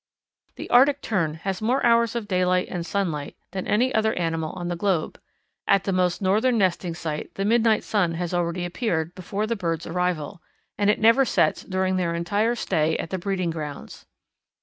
"The Arctic Tern has more hours of daylight and sunlight than any other animal on the globe. At the most northern nesting site the midnight sun has already appeared before the birds' arrival, and it never sets during their entire stay at the breeding grounds.